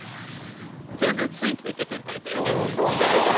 全然ついていけてないんだよね時代が。